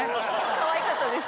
かわいかったです。